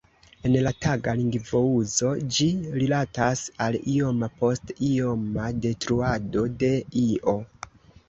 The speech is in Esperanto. En la taga lingvouzo ĝi rilatas al ioma post ioma detruado de io.